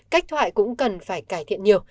cách thoại cũng cần phải cải thiện nhiều